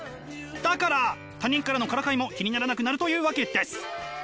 だから他人からのからかいも気にならなくなるというわけです！